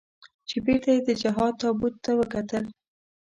چې بېرته یې د جهاد تابوت ته وکتل.